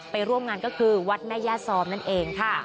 ไปร่วมงานก็คือวัดนั่นเองค่ะ